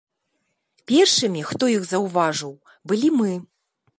Першымі, хто іх заўважыў, былі мы.